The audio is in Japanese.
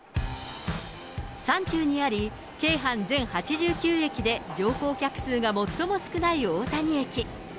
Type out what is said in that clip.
山中にあり、京阪全８９駅で乗降客数が最も少ない大谷駅。